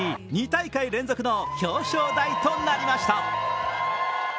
２大会連続の表彰台となりました。